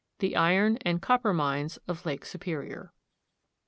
THE IRON AND COPPER MINES OF LAKE SUPERIOR.